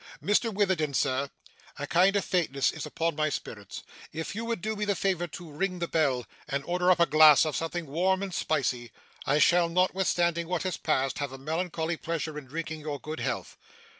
Mr Witherden, sir, a kind of faintness is upon my spirits if you would do me the favour to ring the bell and order up a glass of something warm and spicy, I shall, notwithstanding what has passed, have a melancholy pleasure in drinking your good health.